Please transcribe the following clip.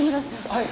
はい。